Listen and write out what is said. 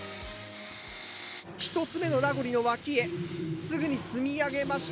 １つ目のラゴリの脇へすぐに積み上げました。